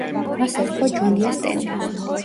მას ერქვა ჯულია სტენლი.